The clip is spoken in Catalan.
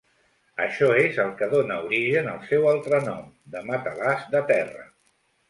Això és el que dóna origen al seu altre nom de "matalàs de terra".